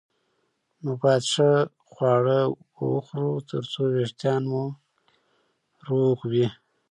نو باید ښه خواړه وخورو ترڅو وېښتان مو روغ وي